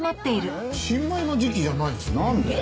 新米の時期じゃないですよね。